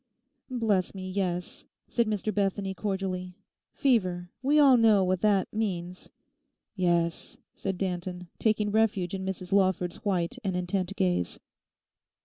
'Bless me, yes,' said Mr Bethany cordially—'fever. We all know what that means.' 'Yes,' said Danton, taking refuge in Mrs Lawford's white and intent gaze.